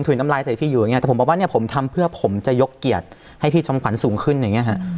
แต่ผมบอกว่าเนี้ยผมทำเพื่อผมจะยกเกียรติให้พี่ชำขวรรค์สูงขึ้นอย่างงี้ค่ะ